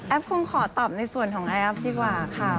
คงขอตอบในส่วนของแอฟดีกว่าค่ะ